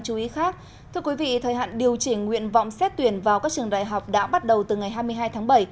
thưa quý vị thời hạn điều chỉnh nguyện vọng xét tuyển vào các trường đại học đã bắt đầu từ ngày hai mươi hai tháng bảy